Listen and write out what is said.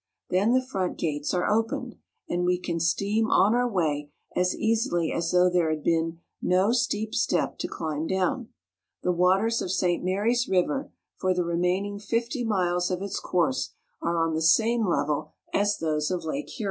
Then the front gates are opened, and we can steam on our way as easily as though there had been no steep step to climb down. The waters of St. Marys River for the remaining fifty miles of its course are on the same level as those of Lake Huron.